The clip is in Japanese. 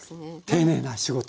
丁寧な仕事。